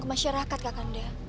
ke masyarakat kakanda